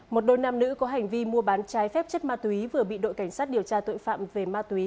một đôi nam nữ có hành vi mua bán trái phép chất ma túy vừa bị đội cảnh sát điều tra tội phạm về ma túy